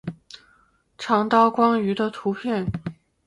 长刀光鱼的图片